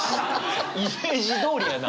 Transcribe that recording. イメージどおりやな。